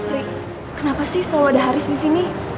ri kenapa sih selalu ada haris disini